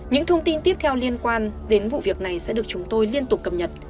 những thông tin tiếp theo liên quan đến vụ việc này sẽ được chúng tôi liên tục cập nhật